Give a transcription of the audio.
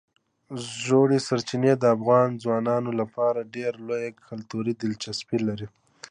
ژورې سرچینې د افغان ځوانانو لپاره ډېره لویه کلتوري دلچسپي لري.